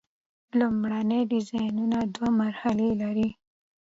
لومړني ډیزاینونه دوه مرحلې لري.